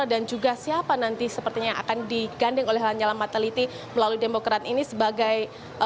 dan juga siapa nanti sepertinya akan diganding oleh lanyala mataliti melalui demokrat ini sebagai